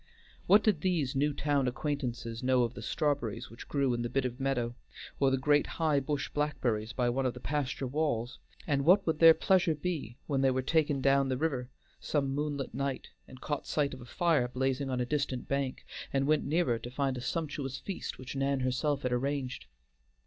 What did these new town acquaintances know of the strawberries which grew in the bit of meadow, or the great high bush blackberries by one of the pasture walls, and what would their pleasure be when they were taken down the river some moonlight night and caught sight of a fire blazing on a distant bank, and went nearer to find a sumptuous feast which Nan herself had arranged?